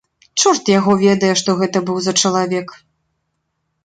Чорт яго ведае, што гэта быў за чалавек.